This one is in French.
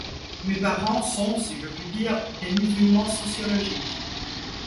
Mes parents sont, si je puis dire, des musulmans sociologiques.